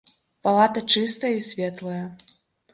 Палата чыстая і светлая.